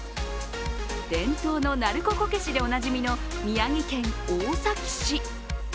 伝統の鳴子こけしでおなじみの宮城県大崎市。